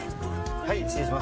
はい失礼します